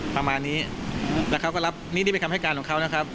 ประมาณนี้แล้วเขาก็รับนี่นี่เป็นคำให้การของเขานะครับ